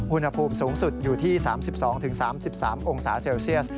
อุณหภูมิสูงสุดอยู่ที่๓๒๓๓องศาเซลเซียส